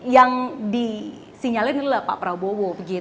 yang disinyalin adalah pak prabowo